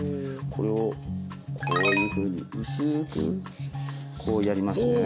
これをこういうふうに薄くこうやりますね。